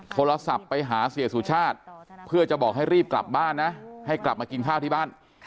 โทรศัพท์ไปหาเสียสุชาติเพื่อจะบอกให้รีบกลับบ้านนะให้กลับมากินข้าวที่บ้าน